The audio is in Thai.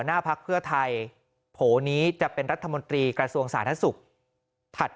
หน้าภักดิ์เพื่อไทยโผนี้จะเป็นรัฐมตรีกระสวงสานทสุคถัด